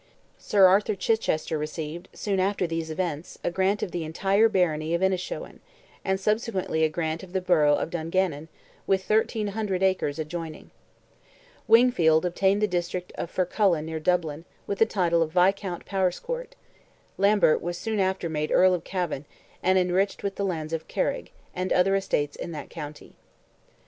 Sir Arthur Chichester received, soon after these events, a grant of the entire barony of Innishowen, and subsequently a grant of the borough of Dungannon, with 1,300 acres adjoining; Wingfield obtained the district of Fercullan near Dublin, with the title of Viscount Powerscourt; Lambert was soon after made Earl of Cavan, and enriched with the lands of Carig, and other estates in that county.